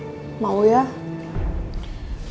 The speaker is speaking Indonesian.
haris gimana kabarnya anda